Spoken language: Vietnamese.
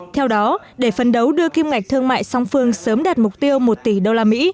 theo đó để phân đấu đưa kim ngạch thương mại song phương sớm đạt mục tiêu một tỷ usd